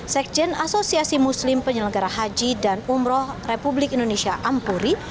sekjen asosiasi muslim penyelenggara haji dan umroh republik indonesia ampuri